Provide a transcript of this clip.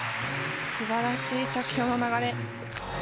すばらしい着氷の流れ。